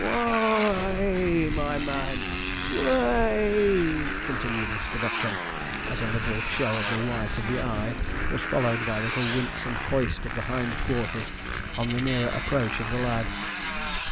'W h o a a y, my man, w h o a a y,' continued Mr. Buckram, as a liberal show of the white of the eye was followed by a little wince and hoist of the hind quarters on the nearer approach of the lad.